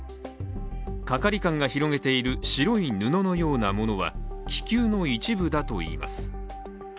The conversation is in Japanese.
係官が広げている白い布のようなものは気球の一部だといいます。